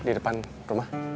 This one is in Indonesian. di depan rumah